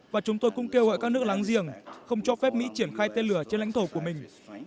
và chúng tôi cũng kêu gọi các nước láng giềng không cho phép mỹ triển khai tên lửa trên lãnh thổ của mình